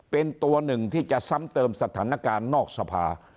เป็นตัวหนึ่งที่จะซ้ำเติมสถานการณ์นอกสภา